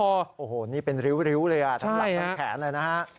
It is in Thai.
โอ้โหนี่เป็นริ้วเลยอ่ะทั้งหลังทั้งแขนเลยนะฮะ